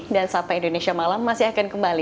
dan sampai indonesia malam masih akan kembali